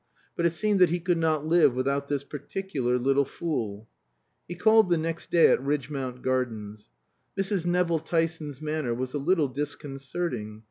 But it seemed that he could not live without this particular little fool. He called the next day at Ridgmount Gardens. Mrs. Nevill Tyson's manner was a little disconcerting.